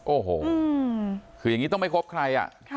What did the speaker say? โอ้โหอืมคือยังงี้ต้องไม่ครบใครอ่ะค่ะ